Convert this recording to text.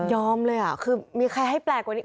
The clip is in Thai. เลยอ่ะคือมีใครให้แปลกกว่านี้